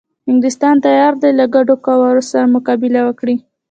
انګلیسیان تیار دي له ګډو قواوو سره مقابله وکړي.